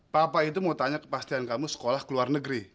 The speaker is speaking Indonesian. papa itu mau tanya kepastian kamu sekolah ke luar negeri